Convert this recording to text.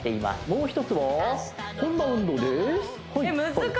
もう一つはこんな運動ですえっ